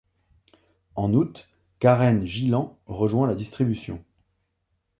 En août, Karen Gillan rejoint la distribution.